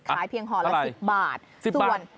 ขายเพียงห่อละ๑๐บาทส่วนอะไร๑๐บาท